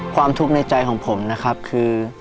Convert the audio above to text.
ความทุกข์ในใจของผมนะครับคือ